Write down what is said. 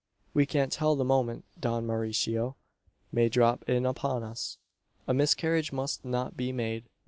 We can't tell the moment Don Mauricio may drop in upon us. A miscarriage must not be made.